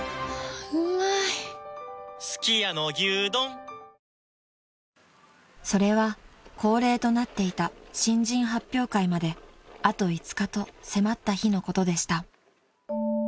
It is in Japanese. おいしい免疫ケア［それは恒例となっていた新人発表会まであと５日と迫った日のことでした］